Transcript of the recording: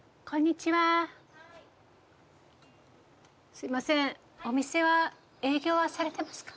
すいませんお店は営業はされてますか？